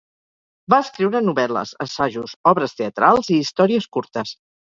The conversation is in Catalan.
Va escriure novel·les, assajos, obres teatrals i històries curtes.